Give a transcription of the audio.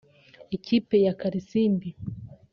Ikipe ya Kalisimbi